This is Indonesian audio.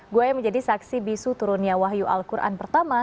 buaya menjadi saksi bisu turunnya wahyu al quran pertama